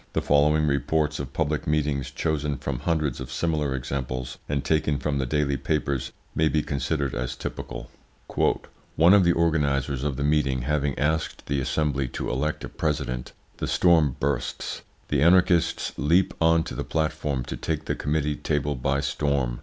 The following reports of public meetings, chosen from hundreds of similar examples, and taken from the daily papers, may be considered as typical: "One of the organisers of the meeting having asked the assembly to elect a president, the storm bursts. The anarchists leap on to the platform to take the committee table by storm.